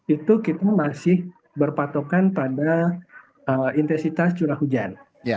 itu kita masih berpatokan pada intensitas curah hujan